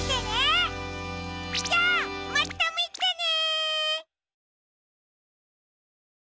じゃあまたみてね！